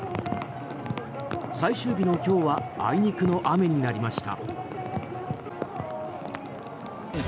最終日の今日はあいにくの雨になりました。